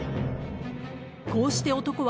［こうして男は］